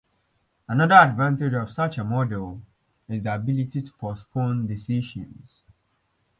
Another advantage of such a model is the ability to postpone decisions.